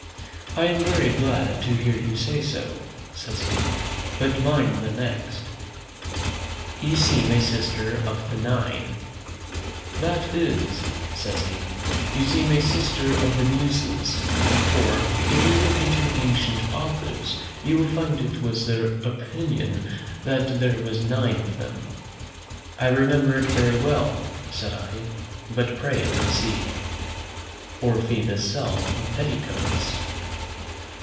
"I am very glad to hear you say so," says he; "but mind the next. "'You seem a sister of the Nine, "That is," says he, "you seem a sister of the Muses; for, if you look into ancient authors, you will find it was their opinion that there were nine of them." "I remember it very well," said I; "but pray proceed." "'Or Phoebus' self in petticoats.'